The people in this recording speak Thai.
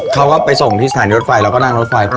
เขาก็ไปส่งที่สถานีรถไฟแล้วก็นั่งรถไฟ